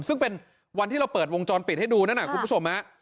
ซึ่งเป็นวันที่เราเปิดวงจรปิดให้ดูนั่นน่ะคุณผู้ชมฮะ